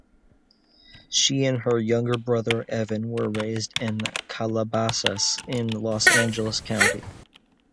She and her younger brother Evan were raised in Calabasas in Los Angeles County.